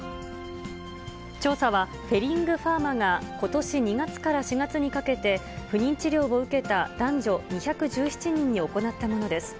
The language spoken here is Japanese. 調査は、フェリング・ファーマが、ことし２月から４月にかけて、不妊治療を受けた男女２１７人に行ったものです。